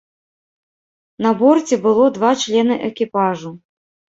На борце было два члены экіпажу.